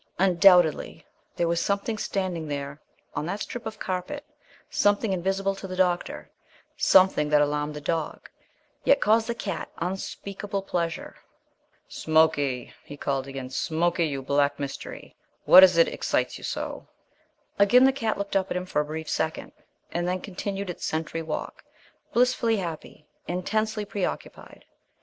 Undoubtedly, there was something standing there on that strip of carpet, something invisible to the doctor, something that alarmed the dog, yet caused the cat unspeakable pleasure. "Smokie!" he called again, "Smokie, you black mystery, what is it excites you so?" Again the cat looked up at him for a brief second, and then continued its sentry walk, blissfully happy, intensely preoccupied.